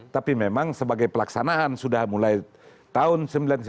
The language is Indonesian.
tapi memang sebagai pelaksanaan sudah mulai tahun sembilan puluh sembilan